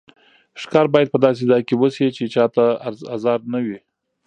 ښکار باید په داسې ځای کې وشي چې چا ته ازار نه وي.